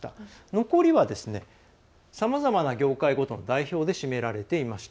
残りは、さまざまな業界ごとの代表で占められていました。